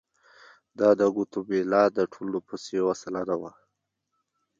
دا د ګواتیمالا د ټول نفوس یو سلنه وو.